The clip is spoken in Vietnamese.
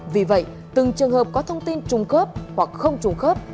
vì vậy từng trường hợp có thông tin trùng khớp hoặc không trùng khớp